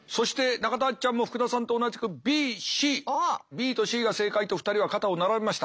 ＢとＣが正解と２人は肩を並べました。